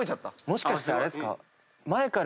もしかしてあれですか？